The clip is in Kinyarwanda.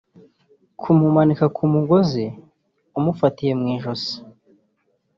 kumumanika ku mugozi umufatiye mu ijosi